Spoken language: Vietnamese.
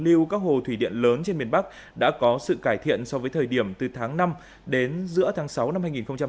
lưu các hồ thủy điện lớn trên miền bắc đã có sự cải thiện so với thời điểm từ tháng năm đến giữa tháng sáu năm hai nghìn hai mươi ba